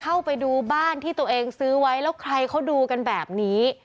เข้าไปดูบ้านที่ตัวเองซื้อไว้แล้วใครเขาดูกันแบบนี้